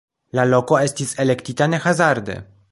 La loko estis elektita ne hazarde.